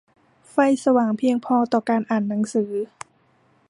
ไฟสว่างเพียงพอต่อการอ่านหนังสือ